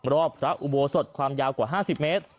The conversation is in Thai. รอบละอุโบสถความยาวกว่าห้าสิบเมตร